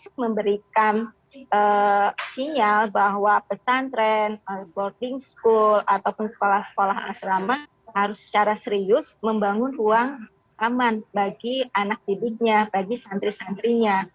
untuk memberikan sinyal bahwa pesantren boarding school ataupun sekolah sekolah asrama harus secara serius membangun ruang aman bagi anak didiknya bagi santri santrinya